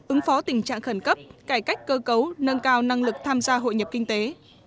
ứng phó tình trạng khẩn cấp cải cách cơ cấu nâng cao năng lực tham gia hội nhập kinh tế